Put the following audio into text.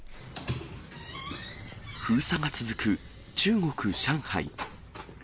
封鎖が続く中国・上海。